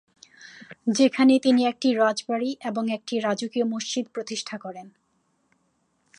যেখানে তিনি একটি রাজবাড়ী এবং একটি রাজকীয় মসজিদ প্রতিষ্ঠা করেন।